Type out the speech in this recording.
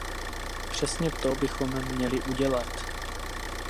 Přesně to bychom měli udělat.